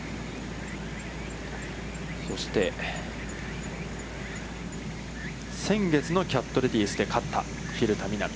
そして、先月のキャットレディースで勝った、蛭田みな美。